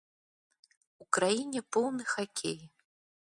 У краіне поўны хакей.